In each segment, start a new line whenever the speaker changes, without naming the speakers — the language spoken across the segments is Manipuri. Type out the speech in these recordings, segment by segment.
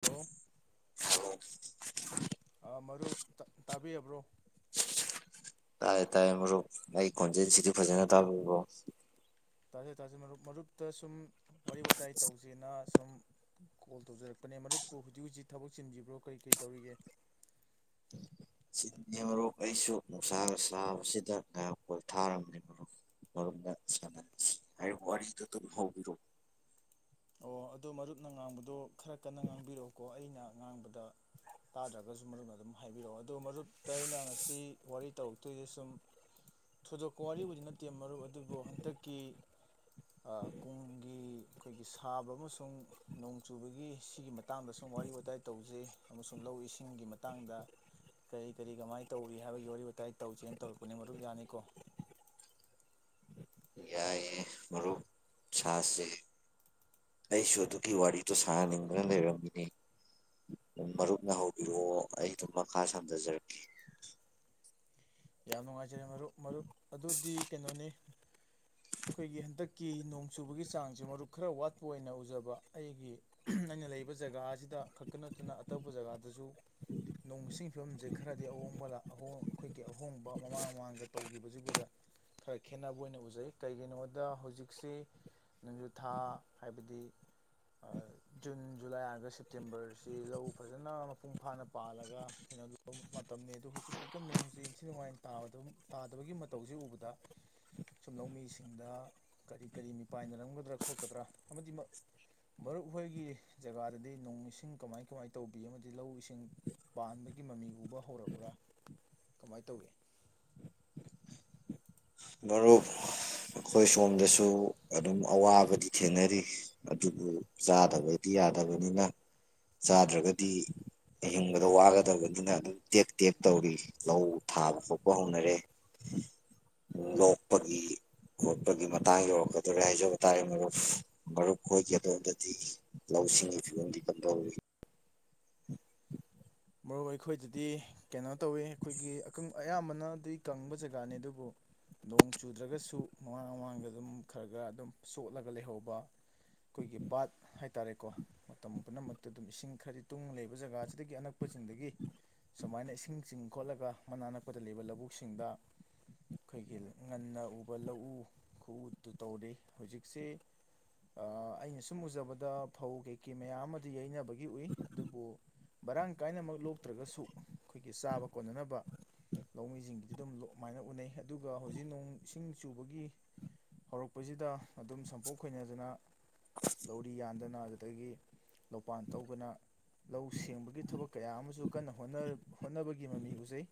ꯍꯜꯂꯣ
ꯍꯜꯂꯣ [inaudible]
ꯑꯥ ꯃꯔꯨ ꯇꯥ ꯇꯥꯕꯤꯔꯕ꯭ꯔꯣ
ꯇꯥꯏꯌꯦ ꯇꯥꯏꯌꯦ ꯃꯔꯨꯞ ꯑꯩ ꯈꯣꯟꯖꯦꯜꯁꯤꯗꯤ ꯐꯖꯅ ꯇꯥꯕꯤꯕ꯭ꯔꯣ
ꯇꯥꯖ ꯇꯥꯖ ꯃꯔꯨꯞ ꯃꯔꯨꯞꯇ ꯁꯨꯝ ꯋꯥꯔꯤ ꯋꯥꯇꯥꯏ ꯇꯧꯁꯦꯅ ꯁꯨꯝ ꯀꯣꯜ ꯇꯧꯖꯔꯛꯄꯅꯦ ꯃꯔꯨꯞꯄꯨ ꯍꯧꯖꯤꯛ ꯍꯧꯖꯤꯛ ꯊꯕꯛ ꯆꯤꯟꯈꯤꯕ꯭ꯔꯣ ꯀꯔꯤ ꯀꯔꯤ ꯇꯧꯔꯤꯒꯦ
ꯆꯤꯟꯗꯦ ꯃꯔꯨꯞ ꯑꯩꯁꯨ ꯅꯨꯡꯁꯥꯒ ꯁꯥꯕꯁꯤꯗ ꯉꯥꯏꯍꯥꯛ ꯄꯣꯊꯥꯔꯝꯕꯅꯤ ꯃꯔꯨꯞ ꯃꯔꯨꯞꯅ ꯁꯥꯟꯅꯔꯁꯤ ꯍꯥꯏꯔꯤꯕ ꯋꯥꯔꯤꯗꯨ ꯑꯗꯨꯝ ꯍꯧꯕꯤꯔꯛꯑꯣ
ꯑꯗꯨ ꯃꯔꯨꯞꯅ ꯉꯥꯡꯕꯗꯣ ꯈꯔ ꯀꯟꯅ ꯉꯥꯡꯕꯤꯔꯛꯑꯣꯀꯣ ꯑꯩꯅ ꯉꯥꯡꯕꯗ ꯇꯥꯗ꯭ꯔꯒꯁꯨ ꯃꯔꯨ ꯑꯗꯨꯝ ꯍꯥꯏꯕꯤꯔꯛꯑꯣ ꯑꯗꯨ ꯃꯔꯨꯞꯇ ꯑꯩꯅ ꯉꯁꯤ ꯋꯥꯔꯤ ꯇꯧꯔꯛꯇꯣꯏꯁꯦ ꯁꯨꯝ ꯊꯣꯏꯗꯣꯛꯄ ꯋꯥꯔꯤꯕꯨꯗꯤ ꯅꯠꯇꯦ ꯃꯔꯨꯨꯞ ꯑꯗꯨꯕꯨ ꯍꯟꯇꯛꯀꯤ ꯀꯨꯝꯒꯤ ꯑꯩꯈꯣꯏ ꯁꯥꯕ ꯑꯃꯁꯨꯡ ꯅꯣꯡ ꯆꯨꯕꯒꯤ ꯁꯤꯒꯤ ꯃꯇꯥꯡꯗ ꯁꯨꯝ ꯋꯥꯔꯤ ꯋꯥꯇꯥꯏ ꯇꯧꯖꯩ ꯑꯃꯁꯨꯡ ꯂꯧ ꯏꯁꯤꯡꯒꯤ ꯃꯇꯥꯡꯗ ꯀꯔꯤ ꯀꯔꯤ ꯀꯃꯥꯏꯅ ꯇꯧꯔꯤ ꯍꯥꯏꯕꯒꯤ ꯋꯥꯔꯤ ꯋꯥꯇꯥꯏ ꯇꯧꯖꯦꯅ ꯇꯧꯔꯛꯄꯅꯤ ꯃꯔꯨꯞ ꯌꯥꯅꯤꯀꯣ
ꯌꯥꯏꯑꯦ ꯃꯔꯨꯞ ꯁꯥꯥꯁꯦ ꯑꯩꯁꯨ ꯑꯗꯨꯒꯤ ꯋꯥꯔꯤꯗꯣ ꯁꯥꯟꯅꯅꯤꯡꯗꯅ ꯂꯩꯔꯝꯃꯤꯅꯤ ꯑꯗꯨ ꯃꯔꯨꯞꯅ ꯍꯧꯕꯤꯔꯛꯑꯣ ꯑꯩ ꯑꯗꯨꯝ ꯃꯈꯥ ꯁꯝꯊꯖꯔꯛꯀꯦ
ꯌꯥꯝ ꯅꯨꯡꯉꯥꯏꯖꯔꯦ ꯃꯔꯨꯞ ꯃꯔꯨꯞ ꯑꯗꯨꯗꯤ ꯀꯩꯅꯣꯅꯤ ꯑꯩꯈꯣꯏꯒꯤ ꯍꯟꯗꯛ ꯀꯤ ꯅꯣꯡ ꯆꯨꯕꯒꯤ ꯆꯥꯡꯁꯦ ꯃꯔꯨꯞ ꯈꯔ ꯋꯥꯠꯄ ꯑꯣꯏꯅ ꯎꯖꯕ ꯑꯩꯒꯤ ꯑꯩꯅ ꯂꯩꯕ ꯖꯒꯥ ꯑꯁꯤꯗ ꯈꯛꯇ ꯅꯠꯇꯅ ꯑꯇꯣꯞꯄ ꯖꯒꯥꯗꯁꯨ ꯅꯣꯡꯁꯤꯡꯒꯤ ꯐꯤꯕꯝꯁꯦ ꯈꯔꯗꯤ ꯑꯍꯣꯡꯕ ꯑꯍ ꯑꯩꯈꯣꯏꯒꯤ ꯑꯍꯣꯡꯕ ꯃꯃꯥꯡ ꯃꯃꯥꯡꯗ ꯇꯧꯈꯤꯕꯁꯤꯕꯨꯗ ꯈꯔ ꯈꯦꯠꯅꯕ ꯑꯣꯏꯅ ꯎꯖꯩ ꯀꯩꯒꯤꯅꯣꯗ ꯍꯧꯖꯤꯛꯁꯤ ꯅꯣꯡꯖꯨ ꯊꯥ ꯍꯥꯏꯕꯗꯤ ꯑꯥ ꯖꯨꯟ ꯖꯨꯂꯥꯏ ꯑꯒ ꯁꯦꯞꯇꯦꯝꯕꯔꯁꯤ ꯂꯧ ꯐꯖꯅ ꯃꯄꯨꯡ ꯐꯥꯅ ꯄꯥꯜꯂꯒ ꯀꯩꯅꯣ ꯃꯇꯝꯅꯤ ꯑꯗꯨꯗꯣ ꯍꯧꯖꯤꯛꯐꯥꯎꯀ ꯅꯣꯡꯁꯤ ꯏꯟꯊꯤ ꯅꯨꯡꯉꯥꯏꯅ ꯇꯥꯕ ꯇꯥꯗꯕꯒꯤ ꯃꯇꯧꯁꯤ ꯎꯕꯗ ꯁꯨꯝ ꯂꯧꯃꯤꯁꯤꯡꯗ ꯀꯔꯤ ꯀꯔꯤ ꯃꯤꯄꯥꯏꯅꯔꯝꯒꯗ꯭ꯔꯥ ꯈꯣꯠꯀꯗ꯭ꯔꯥ ꯑꯃꯗꯤ ꯃ ꯃꯔꯨꯞ ꯍꯣꯏꯒꯤ ꯖꯒꯥꯗꯗꯤ ꯅꯣꯡ ꯏꯁꯤꯡ ꯀꯃꯥꯏ ꯀꯃꯥꯏ ꯇꯧꯕꯤ ꯑꯃꯗꯤ ꯂꯧ ꯏꯁꯤꯡ ꯄꯥꯟꯕꯒꯤ ꯃꯃꯤ ꯎꯕ ꯍꯧꯔꯕ꯭ꯔꯥ ꯀꯃꯥꯏꯅ ꯇꯧꯏ
ꯃꯔꯨꯞ ꯑꯩꯈꯣꯏ ꯁꯣꯝꯗꯁꯨ ꯑꯗꯨꯝ ꯑꯋꯥꯕꯗꯤ ꯊꯦꯡꯅꯔꯤ ꯑꯗꯨꯕꯨ ꯆꯥꯗꯕꯗꯤ ꯌꯥꯗꯕꯅꯤꯅ ꯆꯥꯗ꯭ꯔꯒꯗꯤ ꯑꯍꯤꯡꯕꯗ ꯋꯥꯒꯗꯕꯅꯤꯅ ꯑꯗꯨꯝ ꯇꯦꯛ ꯇꯦꯛ ꯇꯧꯔꯤ ꯂꯧ ꯊꯥꯕ ꯈꯣꯠꯄ ꯍꯧꯅꯔꯦ ꯂꯣꯛꯄꯒꯤ ꯈꯣꯠꯄꯒꯤ ꯃꯇꯥꯡ ꯌꯧꯔꯛꯀꯗꯧꯔꯦ ꯍꯥꯏꯖꯕ ꯇꯥꯔꯦ ꯃꯔꯨꯞ ꯃꯔꯨꯞ ꯈꯣꯏꯒꯤ ꯑꯗꯣꯝꯗꯗꯤ ꯂꯧꯁꯤꯡꯒꯤ ꯐꯤꯕꯝꯗꯤ ꯀꯝꯗꯧꯔꯤ
ꯃꯔꯨꯞ ꯑꯩꯈꯣꯏꯗꯗꯤ ꯀꯩꯅꯣ ꯇꯧꯋꯦ ꯑꯩꯈꯣꯏꯒꯤ ꯑ ꯑꯌꯥꯝꯕꯅꯗꯤ ꯀꯪꯕ ꯖꯒꯥꯅꯤ ꯑꯗꯨꯕꯨ ꯅꯣꯡ ꯆꯨꯗ꯭ꯔꯒꯁꯨ ꯃꯃꯥꯡ ꯃꯃꯥꯡꯗ ꯑꯗꯨꯝ ꯈꯔ ꯈꯔ ꯑꯗꯨꯝ ꯆꯣꯠꯂꯒ ꯂꯩꯍꯧꯕ ꯈꯣꯏꯒꯤ ꯄꯥꯠ ꯍꯥꯏꯇꯥꯔꯦꯀꯣ ꯃꯇꯝ ꯄꯨꯝꯅꯃꯛꯇ ꯑꯗꯨꯝ ꯏꯁꯤꯡ ꯈꯔꯗꯤ ꯇꯨꯡ ꯂꯩꯕ ꯖꯒꯥꯁꯤꯗꯒꯤ ꯑꯅꯛ ꯄꯄ ꯁꯤꯡꯗꯒꯤ ꯁꯨꯃꯥꯏꯅ ꯏꯁꯤꯡ ꯆꯤꯡ ꯈꯣꯠꯂꯒ ꯃꯅꯥꯛ ꯅꯛꯄꯗ ꯂꯩꯕ ꯂꯧꯕꯨꯛꯁꯤꯡꯗ ꯑꯩꯈꯣꯏꯒꯤ ꯉꯟꯅ ꯎꯕ ꯂꯧꯎ ꯈꯨꯎꯗꯨ ꯇꯧꯔꯤ ꯍꯧꯖꯤꯛꯁꯤ ꯑꯩꯅ ꯁꯨꯝ ꯎꯖꯕꯗ ꯐꯧ ꯀꯩꯀꯩ ꯃꯌꯥꯝ ꯑꯃꯗꯤ ꯌꯩꯅꯕꯒꯤ ꯎꯏ ꯑꯗꯨꯕꯨ ꯃꯔꯥꯡ ꯀꯥꯏꯅꯃꯛ ꯂꯣꯛꯇ꯭ꯔꯒꯁꯨ ꯑꯩꯈꯣꯏꯒꯤ ꯆꯥꯕ ꯀꯣꯟꯅꯅꯕ ꯂꯧꯃꯤꯁꯤꯡꯒꯤꯗꯤ ꯑꯗꯨꯝꯃꯥꯏꯅ ꯎꯅꯩ ꯑꯗꯨꯒ ꯍꯧꯖꯤꯛ ꯅꯣꯡ ꯏꯁꯤꯡ ꯆꯨꯕꯒꯤ ꯍꯧꯔꯛꯄꯁꯤꯗ ꯑꯗꯨꯝ ꯁꯝꯄꯣꯛ ꯈꯣꯏꯅꯗꯅ ꯂꯧꯔꯤ ꯌꯥꯟꯗꯅ ꯑꯗꯨꯗꯒꯤ ꯂꯧꯄꯥꯟ ꯇꯧꯗꯅ ꯂꯧ ꯁꯦꯡꯕꯒꯤ ꯊꯕꯛ ꯀꯌꯥꯃꯁꯨ ꯀꯟꯅ ꯍꯣꯠꯅ ꯍꯣꯠꯅꯕꯒꯤ ꯃꯃꯤ ꯎꯖꯩ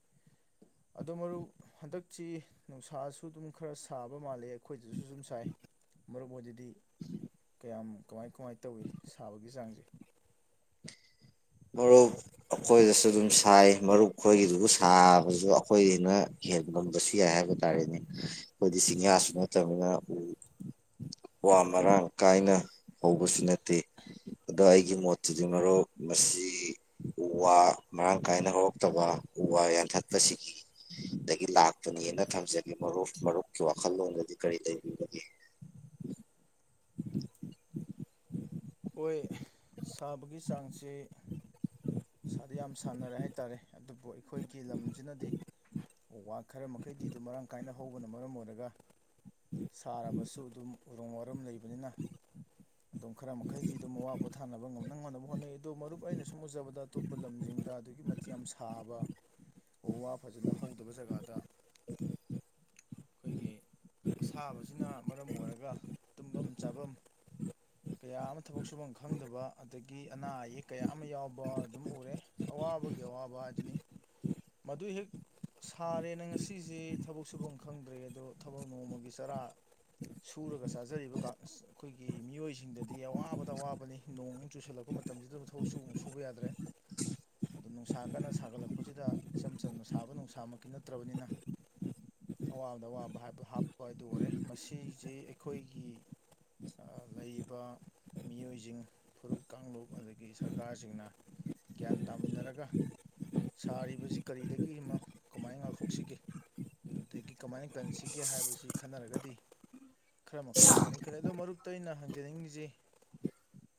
ꯑꯗꯣ ꯃꯔꯨꯞ ꯍꯟꯗꯛꯁꯤ ꯅꯨꯡꯁꯥꯁꯨ ꯑꯗꯨꯝ ꯈꯔ ꯁꯥꯕ ꯃꯥꯜꯂꯦ ꯑꯩꯈꯣꯏꯗꯁꯨꯁꯨꯝ ꯁꯥꯏ ꯃꯔꯨꯞ ꯍꯣꯏꯗꯗꯤ ꯀꯌꯥꯝ ꯀꯃꯥꯏ ꯀꯃꯥꯏ ꯇꯧꯏ ꯁꯥꯕꯒꯤ ꯆꯥꯡꯁꯦ
ꯃꯔꯨꯞ ꯑꯈꯣꯏꯗꯁꯨ ꯑꯗꯨꯝ ꯁꯥꯏ ꯃꯔꯨꯞ ꯑꯩꯈꯣꯏꯒꯤꯗꯨꯕꯨ ꯁꯥꯕꯁꯨ ꯑꯩꯈꯣꯏꯅ ꯍꯦꯟ ꯉꯝꯕꯁꯨ ꯌꯥꯏ ꯍꯥꯏꯕ ꯇꯥꯔꯦꯅꯦ ꯑꯩꯈꯣꯏꯗꯤ ꯆꯤꯡꯌꯥꯁꯨ ꯅꯠꯇꯅꯤꯅ ꯎ ꯋꯥ ꯃꯔꯥꯡ ꯀꯥꯏꯅ ꯍꯧꯕꯁꯨ ꯅꯠꯇꯦ ꯑꯗꯣ ꯑꯩꯒꯤ ꯃꯣꯠꯇꯨꯗꯤ ꯃꯔꯨꯞ ꯃꯁꯤ ꯎ ꯋꯥ ꯃꯔꯥꯡ ꯀꯥꯏꯅ ꯍꯧꯔꯛꯇꯕ ꯎ ꯋꯥ ꯌꯥꯟꯊꯠꯄꯁꯤꯒꯤ ꯗꯒꯤ ꯂꯥꯛꯄꯅꯦꯅ ꯊꯝꯖꯒꯦ ꯃꯔꯨꯞ ꯃꯔꯨꯞꯀꯤ ꯋꯥꯈꯜꯂꯣꯟꯗꯗꯤ ꯀꯔꯤ ꯂꯩꯕꯤꯕꯒꯦ
ꯍꯣꯏ ꯁꯥꯕꯒꯤ ꯆꯥꯡꯁꯦ ꯁꯥꯗꯤ ꯌꯥꯝ ꯁꯥꯟꯅꯔꯦ ꯍꯥꯏꯇꯥꯔꯦ ꯑꯗꯨꯕꯨ ꯑꯩꯈꯣꯏꯒꯤ ꯂꯝꯁꯤꯅꯗꯤ ꯎ ꯋꯥ ꯈꯔ ꯃꯈꯩꯗꯤ ꯑꯗꯨꯝ ꯃꯔꯥꯡ ꯀꯥꯏꯅ ꯍꯧꯕꯅ ꯃꯔꯝ ꯑꯣꯏꯔꯒ ꯁꯥꯔꯕꯁꯨ ꯑꯗꯨꯝ ꯎꯔꯨꯝ ꯋꯥꯔꯨꯝ ꯂꯩꯕꯅꯤꯅ ꯑꯗꯨꯝ ꯈꯔ ꯃꯈ ꯃꯈꯩꯗꯤ ꯑꯗꯨꯝ ꯑꯋꯥ ꯄꯣꯊꯥꯅꯕ ꯉꯝꯅꯅꯅꯕ ꯍꯣꯠꯅꯩ ꯑꯗꯣ ꯃꯔꯨꯞ ꯑꯩꯅ ꯁꯨꯝ ꯎꯖꯕꯗ ꯑꯇꯣꯞꯄ ꯂꯝꯁꯤꯡꯗ ꯑꯗꯨꯛꯀꯤ ꯃꯇꯤꯛ ꯌꯥꯝ ꯁꯥꯕ ꯎ ꯋꯥ ꯐꯖꯅ ꯍꯧꯗꯕ ꯖꯒꯥꯗ ꯑꯩꯈꯣꯏꯒꯤ ꯑꯁꯥꯕꯁꯤꯅ ꯃꯔꯝ ꯑꯣꯏꯔꯒ ꯇꯨꯝꯐꯝ ꯆꯥꯐꯝ ꯀꯌꯥ ꯑꯃ ꯊꯕꯛ ꯁꯨꯐꯝ ꯈꯪꯗꯕ ꯑꯗꯒꯤ ꯑꯅꯥ ꯑꯌꯦꯛ ꯀꯌꯥ ꯑꯃ ꯌꯥꯎꯕ ꯑꯗꯨꯝ ꯎꯔꯦ ꯑꯋꯥꯕꯒꯤ ꯑꯋꯥꯕ ꯍꯥꯏꯗꯨꯅꯤ ꯃꯗꯨ ꯍꯦꯛ ꯁꯥꯔꯦꯅ ꯉꯁꯤꯁꯦ ꯊꯕꯛ ꯁꯨꯐꯝ ꯈꯪꯗ꯭ꯔꯦ ꯑꯗꯣ ꯊꯕꯛ ꯅꯣꯡꯃꯒꯤ ꯆꯔꯥ ꯁꯨꯔꯒ ꯆꯥꯖꯔꯤꯕ ꯀꯥ ꯈꯣꯏꯒꯤ ꯃꯤꯑꯣꯏꯁꯤꯡꯗꯗꯤ ꯑꯋꯥꯕ ꯗ ꯑꯋꯥꯕꯅꯤ ꯅꯣꯡꯃꯨꯛ ꯆꯨꯁꯜꯂꯛꯄ ꯃꯇꯝꯁꯤꯗꯁꯨ ꯊꯕꯛꯁꯨꯨꯕꯛ ꯁꯨꯕ ꯌꯥꯗ꯭ꯔꯦ ꯑꯗꯣ ꯅꯨꯡꯁꯥ ꯀꯟꯅ ꯁꯥꯒꯠꯂꯛꯄꯁꯤꯗ ꯏꯆꯝ ꯆꯝꯅ ꯁꯥꯕ ꯅꯨꯡꯁꯥꯃꯛꯀꯤ ꯅꯠꯇ꯭ꯔꯕꯅꯤꯅ ꯑꯋꯥꯕꯗ ꯑꯋꯥꯕ ꯍꯥꯞꯄ ꯍꯥꯏꯗꯨ ꯑꯣꯏꯔꯦ ꯃꯁꯤꯁꯤ ꯑꯩꯈꯣꯏꯒꯤ ꯑꯥ ꯂꯩꯔꯤꯕ ꯃꯤꯑꯣꯏꯁꯤꯡ ꯐꯨꯔꯨꯞ ꯀꯥꯡꯂꯨꯞ ꯑꯗꯒꯤ ꯁꯔꯀꯥꯔꯁꯤꯡꯅ ꯒ꯭ꯌꯥꯟ ꯇꯥꯃꯤꯟꯅꯔꯒ ꯁꯥꯔꯤꯕꯁꯤ ꯀꯔꯤꯗꯒꯤꯅꯣ ꯀꯃꯥꯏꯅ ꯉꯥꯛꯊꯣꯛꯁꯤꯒꯦ ꯑꯗꯒꯤ ꯀꯃꯥꯏꯅ ꯀꯟꯁꯤꯒꯦ ꯍꯥꯏꯕꯁꯤ ꯈꯟꯅꯔꯒꯗꯤ ꯈꯔ ꯃꯈꯩꯗꯤ ꯐꯅꯤ ꯈꯜꯂꯤ ꯑꯗꯨ ꯃꯔꯨꯞꯇ ꯑꯩꯅ ꯍꯪꯖꯅꯤꯡꯉꯤꯁꯤ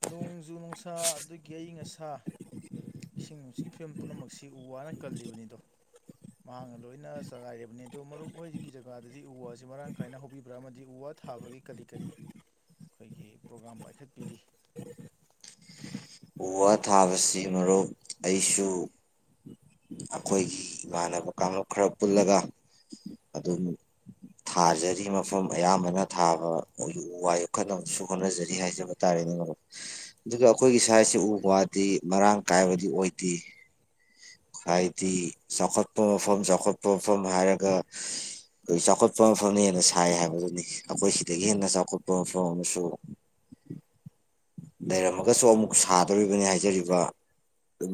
ꯅꯣꯡꯖꯨ ꯅꯨꯡꯁꯥ ꯑꯗꯒꯤ ꯑꯏꯪ ꯑꯁꯥ ꯏꯁꯤꯡ ꯅꯨꯡꯁꯤꯠꯀꯤ ꯐꯤꯕꯝ ꯄꯨꯝꯅꯃꯛꯁꯤ ꯎ ꯋꯥꯅ ꯀꯜꯂꯤꯕꯅꯤꯗꯣ ꯃꯍꯥꯛꯅ ꯂꯣꯏꯅ ꯆꯂꯥꯏꯔꯤꯕꯅꯤ ꯑꯗꯣ ꯃꯔꯨꯞ ꯍꯣꯏꯀꯤ ꯖꯒꯥꯗꯗꯤ ꯎ ꯋꯥꯁꯤ ꯃꯔꯥꯡ ꯀꯥꯏꯅ ꯍꯧꯕꯤꯕ꯭ꯔꯥ ꯑꯃꯗꯤ ꯎ ꯋꯥ ꯊꯥꯕꯒꯤ ꯀꯔꯤ ꯀꯔꯤ ꯑꯩꯈꯣꯏꯒꯤ ꯄ꯭ꯔꯣꯒ꯭ꯔꯥꯝ ꯄꯥꯏꯈꯠꯄꯤꯔꯤ
ꯎ ꯋꯥ ꯊꯥꯕꯁꯤ ꯃꯔꯨꯞ ꯑꯩꯁꯨ ꯑꯩꯈꯣꯏꯒꯤ ꯏꯃꯥꯟꯅꯕ ꯀꯥꯡꯂꯨꯞ ꯈꯔ ꯄꯨꯜꯂꯒ ꯑꯗꯨꯝ ꯊꯥꯖꯔꯤ ꯃꯐꯝ ꯑꯌꯥꯝꯕꯅ ꯊꯥꯕ ꯎ ꯋꯥ ꯌꯣꯛꯈꯠꯅꯕꯁꯨ ꯍꯣꯠꯅꯖꯔꯤ ꯍꯥꯏꯖꯕ ꯇꯥꯔꯦꯅꯦ ꯃꯔꯨꯞ ꯑꯗꯨꯒ ꯑꯩꯈꯣꯏꯒꯤ ꯁꯥꯏꯁꯤ ꯎ ꯋꯥꯗꯤ ꯃꯔꯥꯡ ꯀꯥꯏꯕꯗꯤ ꯑꯣꯏꯗꯦ ꯍꯥꯏ꯭ꯗꯤ ꯆꯥꯎꯈꯠꯄ ꯃꯐꯝ ꯆꯥꯎꯈꯠꯄ ꯃꯐꯝ ꯍꯥꯏꯔꯒ ꯈꯣꯏ ꯆꯥꯎꯈꯠꯄ ꯃꯐꯝꯅ ꯍꯦꯟꯅ ꯁꯥꯏ ꯍꯥꯏꯕꯗꯨꯅꯤ ꯑꯩꯈꯣꯏ ꯁꯤꯗꯒꯤ ꯍꯦꯟꯅ ꯆꯥꯎꯈꯠꯄ ꯃꯐꯝ ꯑꯃꯁꯨ ꯂꯩꯔꯝꯃꯒꯁꯨ ꯑꯃꯨꯛ ꯁꯥ ꯗꯧꯔꯤꯕꯅꯤ ꯍꯥꯏꯖꯔꯤꯕ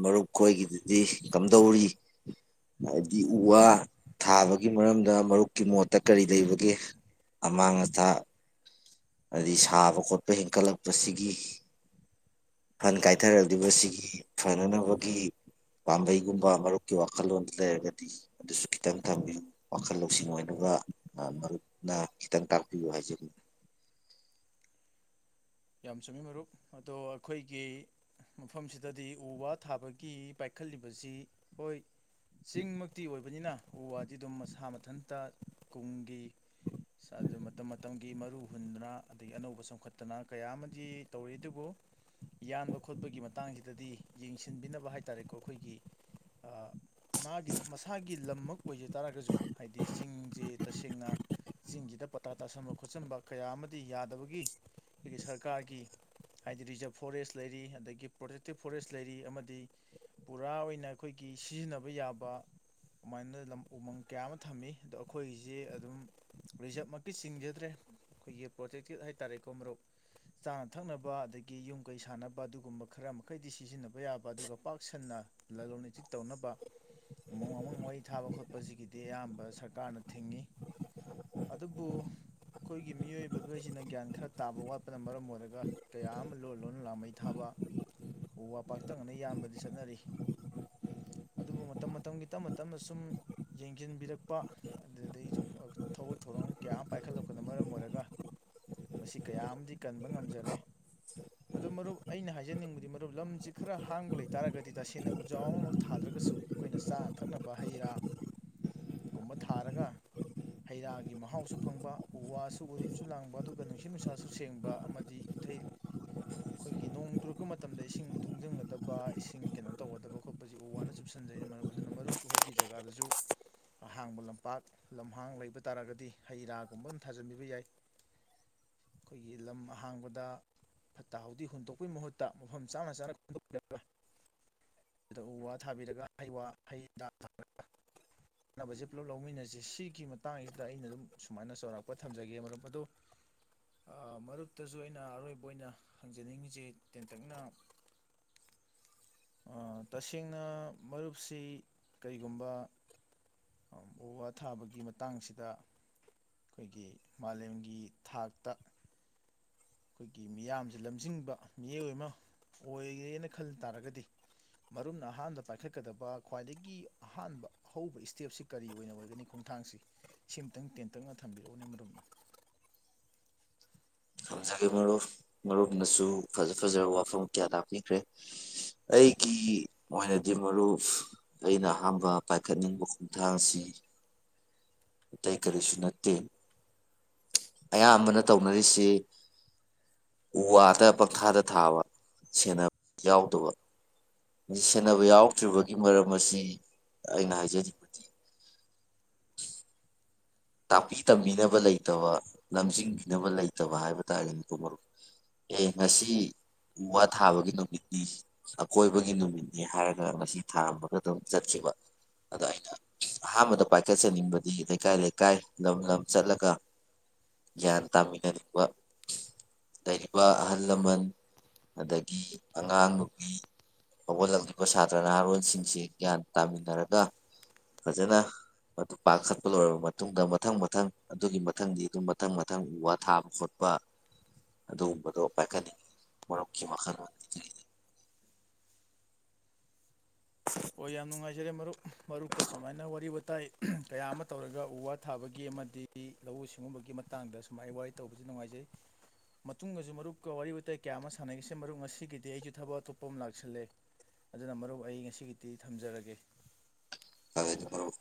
ꯃꯔꯨꯞ ꯈꯣꯏꯒꯤꯗꯨꯗꯤ ꯀꯝꯗꯧꯔꯤ ꯍꯥꯏꯕꯗꯤ ꯎ ꯋꯥ ꯊꯥꯕꯒꯤ ꯃꯔꯝꯗ ꯃꯔꯨꯞꯀꯤ ꯃꯣꯠꯇ ꯀꯔꯤ ꯂꯩꯕꯒꯦ ꯑꯃꯥꯡ ꯑꯇꯥ ꯍꯥꯏꯗꯤ ꯁꯥꯕ ꯈꯣꯠꯄ ꯍꯦꯟꯀꯠꯂꯛꯄꯁꯤꯒꯤ ꯐꯟ ꯀꯥꯏꯊꯔꯛꯂꯤꯕ ꯁꯤꯒꯤ ꯐꯅꯅꯕꯒꯤ ꯄꯥꯝꯕꯩꯒꯨꯝꯕ ꯃꯔꯨꯞꯀꯤ ꯋꯥꯈꯜꯂꯣꯟꯗꯨ ꯂꯩꯔꯒꯗꯤ ꯑꯗꯨꯁꯨ ꯈꯤꯇꯪ ꯊꯝꯕꯤꯌꯨ ꯋꯥꯈꯜ ꯂꯧꯁꯤꯡ ꯑꯣꯏꯅꯕ ꯃꯔꯨꯞꯅ ꯈꯤꯇꯪ ꯇꯥꯛꯄꯤꯌꯨ ꯍꯥꯏꯖꯒ
ꯌꯥꯝ ꯆꯨꯝꯃꯤ ꯃꯔꯨꯞ ꯑꯗꯣ ꯑꯩꯈꯣꯏꯒꯤ ꯃꯐꯝꯁꯤꯗꯗꯤ ꯎ ꯋꯥ ꯊꯥꯕꯒꯤ ꯄꯥꯏꯈꯠꯂꯤꯕꯁꯤ ꯍꯣꯏ ꯆꯤꯡꯃꯛꯇꯤ ꯑꯣꯏꯕꯅꯤꯅ ꯎ ꯋꯥꯗꯤ ꯑꯗꯨꯝ ꯃꯁꯥ ꯃꯊꯟꯇ ꯀꯨꯝꯒꯤ ꯑ ꯃꯇꯝ ꯃꯇꯝꯒꯤ ꯃꯔꯨ ꯍꯨꯟꯗꯅ ꯑꯗꯒꯤ ꯑꯅꯧꯕ ꯆꯣꯡꯈꯠꯇꯅ ꯀꯌꯥ ꯑꯃꯗꯤ ꯇꯧꯔꯤ ꯑꯗꯨꯕꯨ ꯌꯥꯟꯕ ꯈꯣꯠꯄꯒꯤ ꯃꯇꯥꯡꯁꯤꯗꯗꯤ ꯌꯦꯡꯁꯤꯟꯕꯤꯅꯕ ꯍꯥꯏꯇꯥꯔꯦꯀꯣ ꯑꯩꯈꯣꯏꯒꯤ ꯃꯥꯒꯤ ꯃꯁꯥꯒꯤ ꯂꯝꯃꯛ ꯑꯣꯏꯖ ꯇꯥꯔꯒꯁꯨ ꯍꯥꯏꯗꯤ ꯆꯤꯡꯁꯦ ꯇꯁꯦꯡꯅ ꯆꯤꯡꯁꯤꯗ ꯄꯇꯥ ꯇꯥꯁꯟꯕ ꯈꯣꯠꯆꯟꯕ ꯀꯌꯥ ꯑꯃꯗꯤ ꯌꯥꯗꯕꯒꯤ ꯑꯩꯈꯣꯏꯒꯤ ꯁꯔꯀꯥꯔꯒꯤ ꯍꯥꯏꯗꯤ ꯔꯤꯖꯥꯕ ꯐꯣꯔꯦꯁ ꯂꯩꯔꯤ ꯑꯗꯒꯤ ꯄ꯭ꯔꯣꯇꯦꯛꯇꯦꯠ ꯐꯣꯔꯦꯁ ꯂꯩꯔꯤ ꯑꯃꯗꯤ ꯄꯨꯔꯥ ꯑꯣꯏꯅ ꯑꯩꯈꯣꯏꯒꯤ ꯁꯤꯖꯤꯟꯅꯕ ꯌꯥꯕ ꯑꯗꯨꯃꯥꯏꯅ ꯎꯃꯪ ꯀꯌꯥ ꯑꯃ ꯊꯝꯃꯤ ꯑꯗꯣ ꯑꯩꯈꯣꯏꯒꯤꯁꯦ ꯑꯗꯨꯝ ꯔꯤꯖꯕꯃꯛꯀꯤ ꯆꯤꯡꯖꯗ꯭ꯔꯦ ꯑꯩꯈꯣꯏꯒꯤ ꯄ꯭ꯔꯣꯇꯦꯛꯇꯦꯠ ꯍꯥꯏꯇꯥꯔꯦꯀꯣ ꯃꯔꯨꯞ ꯆꯥꯅ ꯊꯛꯅꯕ ꯑꯗꯒꯤ ꯌꯨꯝ ꯀꯩ ꯁꯥꯟꯅꯕ ꯑꯗꯨꯒꯨꯝꯕ ꯈꯔ ꯃꯈꯩꯗꯤ ꯁꯤꯖꯤꯟꯅꯕ ꯌꯥꯕ ꯑꯗꯨꯒ ꯄꯥꯛꯁꯟꯅ ꯂꯂꯣꯟ ꯏꯇꯤꯛ ꯇꯧꯅꯕ ꯎꯃꯪ ꯋꯥꯃꯪ ꯃꯩ ꯊꯥꯕ ꯈꯣꯠꯄꯁꯤꯒꯤꯗꯤ ꯑꯌꯥꯝꯕ ꯁꯔꯀꯥꯔꯅ ꯊꯤꯡꯉꯤ ꯑꯗꯨꯕꯨ ꯑꯩꯈꯣꯏꯒꯤ ꯃꯤꯑꯣꯏꯕꯈꯣꯏꯁꯤꯅ ꯒ꯭ꯌꯥꯟ ꯈꯔ ꯇꯥꯕ ꯋꯥꯠꯄ ꯆꯠꯄꯅ ꯃꯔꯝ ꯑꯣꯏꯔꯒ ꯀꯌꯥ ꯑꯃ ꯂꯣꯟ ꯂꯣꯟꯅ ꯂꯥꯃꯩ ꯊꯥꯕ ꯎ ꯋꯥ ꯄꯥꯛꯇꯪꯅꯅ ꯌꯥꯝꯟꯕꯗꯤ ꯆꯠꯅꯔꯤ ꯑꯗꯨꯕꯨ ꯃꯇꯝ ꯃꯇꯝꯒꯤ ꯇꯞꯅ ꯇꯞꯅ ꯁꯨꯝ ꯌꯦꯡꯁꯤꯟꯕꯤꯔꯛꯄ ꯑꯗꯨꯗꯒꯤꯩ ꯊꯕꯛ ꯊꯧꯔꯝ ꯀꯌꯥ ꯑꯃ ꯄꯥꯏꯈꯠꯂꯛꯄꯅ ꯃꯔꯝ ꯑꯣꯏꯔꯒ ꯃꯁꯤ ꯀꯌꯥ ꯑꯃꯗꯤ ꯀꯟꯕ ꯉꯝꯖꯔꯦ ꯑꯗꯨ ꯃꯔꯨꯞ ꯑꯩꯅ ꯍꯥꯏꯖꯅꯤꯡꯕꯗꯤ ꯃꯔꯨꯞ ꯂꯝꯁꯤ ꯈꯔ ꯍꯥꯡꯕ ꯂꯩꯇꯥꯔꯒꯗꯤ ꯇꯁꯦꯡꯅ ꯎꯖꯥꯎ ꯑꯃꯃ ꯊꯥꯗ꯭ꯔꯒꯁꯨ ꯑꯩꯈꯣꯏꯅ ꯆꯥꯅ ꯊꯛꯅꯕ ꯍꯩ ꯔꯥꯒꯨꯝꯕ ꯊꯥꯔꯒ ꯍꯩ ꯔꯥꯒꯤ ꯃꯍꯥꯎꯁꯨ ꯐꯪꯕ ꯎ ꯋꯥꯁꯨ ꯎꯔꯨꯝꯁꯨ ꯂꯥꯡꯕ ꯑꯗꯨꯒ ꯅꯨꯡꯁꯤꯠ ꯅꯨꯡꯁꯥꯁꯨ ꯁꯦꯡꯕ ꯑꯃꯗꯤ ꯏꯊꯩ ꯑꯩꯈꯣꯏꯒꯤ ꯅꯣꯡ ꯇꯨꯔꯛꯄ ꯃꯇꯝꯗ ꯏꯁꯤꯡ ꯇꯨꯡꯁꯤꯟꯒꯗꯕ ꯏꯁꯤꯡ ꯀꯩꯅꯣ ꯇꯧꯒꯗꯕ ꯈꯣꯠꯄꯁꯤ ꯎ ꯋꯥꯅ ꯆꯨꯞꯁꯤꯟꯖꯩ ꯃꯔꯝ ꯑꯗꯨꯅ ꯃꯔꯨꯞ ꯑꯩꯈꯣꯏꯒꯤ ꯖꯒꯥꯗꯁꯨ ꯑꯍꯥꯡꯕ ꯂꯝꯄꯥꯛ ꯂꯝꯍꯥꯡ ꯂꯩꯕ ꯇꯥꯔꯒꯗꯤ ꯍꯩ ꯔꯥꯒꯨꯝꯕ ꯑꯗꯨꯝ ꯊꯥꯖꯤꯟꯕꯤꯕ ꯌꯥꯏ ꯑꯩꯈꯣꯏꯒꯤ ꯂꯝ ꯑꯍꯥꯡꯕꯗ ꯐꯠꯇ ꯍꯥꯎꯊꯤ ꯍꯨꯟꯗꯣꯛꯄꯩ ꯃꯍꯨꯠꯇ ꯃꯐꯝ ꯆꯥꯅ ꯆꯥꯅ ꯈꯟꯗꯣꯛꯄꯤꯔꯕꯥ ꯑꯗꯨꯗ ꯎ ꯋꯥ ꯊꯥꯕꯤꯔꯒꯩ ꯍꯩ ꯀꯥꯟꯅꯕꯁꯦ ꯄꯨꯂꯞ ꯂꯧꯃꯤꯟꯅꯁꯤ ꯁꯤꯒꯤ ꯃꯇꯥꯡꯁꯤꯗ ꯑꯩꯅ ꯑꯗꯨꯝ ꯁꯨꯃꯥꯏꯅ ꯆꯥꯎꯔꯥꯛꯄ ꯊꯝꯖꯒꯦ ꯑꯗꯣ ꯃꯔꯛꯇꯁꯨ ꯑꯩꯅ ꯑꯔꯣꯏꯕ ꯑꯣꯏꯅ ꯍꯪꯖꯅꯤꯡꯉꯤꯤꯁ ꯇꯦꯟꯇꯛꯅ ꯇꯁꯦꯡꯅ ꯃꯔꯨꯞꯁꯤ ꯀꯔꯤꯒꯨꯝꯕ ꯎ ꯋꯥ ꯊꯥꯕꯒꯤ ꯃꯇꯥꯡꯁꯤꯗ ꯑꯩꯈꯣꯏꯒꯤ ꯃꯥꯂꯦꯝꯒꯤ ꯊꯥꯛꯇ ꯑꯩꯈꯣꯏꯒꯤ ꯃꯤꯌꯥꯝꯁꯦ ꯂꯝꯖꯤꯡꯕ ꯃꯤꯑꯣꯏ ꯑꯃ ꯑꯣꯏꯔꯦꯅ ꯈꯟ ꯇꯥꯔꯒꯗꯤ ꯃꯔꯨꯝꯅ ꯑꯍꯥꯟꯕ ꯄꯥꯏꯈꯠꯀꯗꯕ ꯈ꯭ꯋꯥꯏꯗꯒꯤ ꯑꯍꯥꯟꯕ ꯑ ꯍꯧꯕ ꯏꯁꯇꯦꯞꯁꯤ ꯀꯔꯤ ꯑꯣꯏꯅ ꯑꯣꯏꯒꯅꯤ ꯈꯣꯡꯊꯥꯡꯁꯤ ꯁꯤꯃꯇꯪ ꯇꯦꯟꯇꯛꯅ ꯊꯝꯕꯤꯔꯛꯎꯅꯦ ꯃꯔꯝꯅ
ꯊꯝꯖꯒꯦ ꯃꯔꯨꯞ ꯃꯔꯨꯞꯅꯁꯨ ꯐꯖ ꯐꯖꯕ ꯋꯥꯐꯝ ꯀꯌꯥ ꯇꯥꯛꯄꯤꯈ꯭ꯔꯦ ꯑꯩꯒꯤ ꯑꯣꯏꯅꯗꯤ ꯃꯔꯨꯞ ꯑꯩꯅ ꯑꯍꯥꯟꯕ ꯄꯥꯏꯈꯠꯅꯤꯡꯕ ꯈꯣꯡꯊꯥꯡꯁꯤ ꯑꯇꯩ ꯀꯔꯤꯁꯨ ꯅꯠꯇꯦ ꯑꯌꯥꯝꯕꯅ ꯇꯧꯅꯔꯤ ꯑꯁꯤ ꯎ ꯋꯥꯗ ꯄꯪꯊꯥꯗ ꯊꯥꯕ ꯁꯦꯟꯅꯕ ꯌꯥꯎꯗꯕ ꯃꯁꯤ ꯁꯦꯟꯅꯕ ꯌꯥꯎꯗ꯭ꯔꯤꯕꯒꯤ ꯃꯔꯝ ꯑꯁꯤ ꯑꯩꯅ ꯍꯥꯏꯖꯅꯤꯡꯕꯗꯤ ꯇꯥꯛꯄꯤ ꯇꯝꯕꯤꯅꯕ ꯂꯩꯇꯕ ꯂꯝꯖꯤꯡꯕꯤꯅꯕ ꯂꯩꯇꯕ ꯍꯥꯏꯕ ꯇꯥꯔꯦ ꯃꯄꯨ ꯃꯔꯨꯞ ꯑꯦ ꯉꯁꯤ ꯎ ꯋꯥ ꯊꯥꯕꯒꯤ ꯅꯨꯃꯤꯠꯅꯤ ꯑꯀꯣꯏꯕꯒꯤ ꯅꯨꯃꯤꯠꯅꯤ ꯍꯥꯏꯔꯒ ꯉꯁꯤ ꯊꯥꯃꯒ ꯑꯗꯨꯝ ꯆꯠꯈꯤꯕ ꯑꯗꯣ ꯑꯩꯅ ꯑꯍꯥꯟꯕꯗ ꯄꯥꯏꯈꯠꯆꯅꯤꯡꯕꯗꯤ ꯂꯩꯀꯥꯏ ꯂꯩꯥꯏ ꯏꯀꯥꯏ ꯂꯝ ꯂꯝ ꯆꯠꯂꯒ ꯒ꯭ꯌꯥꯟ ꯇꯥꯃꯤꯟꯅꯤꯡꯕ ꯂꯩꯔꯤꯕ ꯑꯍꯜ ꯂꯃꯟ ꯑꯗꯒꯤ ꯑꯉꯥꯡ ꯅꯨꯄꯤ ꯍꯧꯒꯠꯂꯛꯂꯤꯕ ꯁꯥꯇ꯭ꯔ ꯅꯍꯥꯔꯣꯟꯁꯤꯡꯁꯤ ꯒ꯭ꯌꯥꯟ ꯇꯥꯃꯤꯟꯅꯔꯒ ꯐꯖꯅ ꯃꯗꯨ ꯄꯥꯈꯠꯄ ꯂꯣꯏꯔꯕ ꯃꯇꯨꯡ ꯃꯇꯨꯡꯗ ꯃꯊꯪ ꯃꯊꯪ ꯑꯗꯨꯒꯤ ꯃꯊꯪꯗꯤ ꯑꯗꯨꯝ ꯃꯊꯪ ꯃꯊꯪ ꯎ ꯋꯥ ꯊꯥꯕ ꯈꯣꯠꯄ ꯑꯗꯨꯒꯨꯝꯕꯗꯣ ꯄꯥꯏꯈꯠꯅꯤꯡꯉꯤ ꯃꯔꯨꯞꯀꯤ ꯋꯥꯈꯜꯂꯣꯟꯒꯤ
ꯍꯣ ꯌꯥꯝ ꯅꯨꯡꯉꯥꯏꯖꯔꯦ ꯃꯔꯨꯞ ꯃꯔꯨꯞꯀ ꯁꯨꯃꯥꯏꯅ ꯋꯥꯔꯤ ꯋꯥꯇꯥꯏ ꯀꯌꯥ ꯑꯃ ꯇꯧꯔꯒ ꯎ ꯋꯥ ꯊꯥꯕꯒꯤ ꯑꯃꯗꯤ ꯂꯧꯎ ꯁꯤꯡꯎꯕꯒꯤ ꯃꯇꯥꯡꯗ ꯁꯨꯃ ꯑꯩ ꯋꯥꯔꯤ ꯇꯧꯕꯁꯤ ꯅꯨꯡꯉꯥꯏꯖꯩ ꯃꯇꯨꯡꯗꯁꯨ ꯃꯔꯨꯞꯀ ꯋꯥꯔꯤ ꯋꯥꯇꯥꯏ ꯀꯌꯥ ꯑꯃ ꯁꯥꯟꯅꯔꯤꯁꯦ ꯃꯔꯨꯞ ꯉꯁꯤꯒꯤꯗꯤ ꯑꯩꯁꯨ ꯊꯕꯛ ꯑꯇꯣꯞꯄ ꯑꯃ ꯂꯥꯛꯁꯜꯂꯦ ꯑꯗꯨꯅ ꯃꯔꯨꯞ ꯑꯩ ꯉꯁꯤꯒꯤ ꯇꯤ ꯊꯝꯖꯔꯒꯦ
ꯐꯔꯦ ꯑꯗꯣ ꯃꯔꯨꯞ